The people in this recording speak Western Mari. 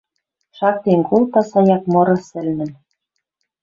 Шактен колта саяк мыры сӹлнӹн —